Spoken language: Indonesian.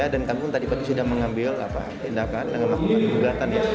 dan kami pun tadi tadi sudah mengambil tindakan dengan melakukan kembangkan